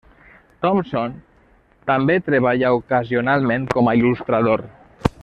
Thompson també treballa ocasionalment com a il·lustrador.